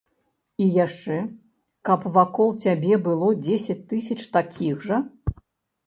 І яшчэ, каб вакол цябе было дзесяць тысяч такіх жа?